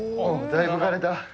だいぶ刈れた。